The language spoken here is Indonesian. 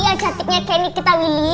yang cantiknya kayak ini kita wili